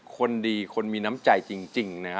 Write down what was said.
คนดีคนมีน้ำใจจริง